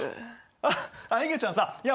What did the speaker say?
あっいげちゃんさいや